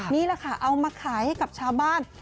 นี่แหละค่ะเอามาขายให้กับชาวบ้าน